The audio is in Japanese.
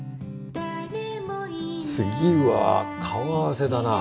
次は顔合わせだな。